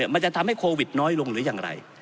มันจะทำให้โควิดน้อยลงหรือยังไร